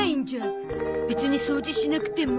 別にそうじしなくても。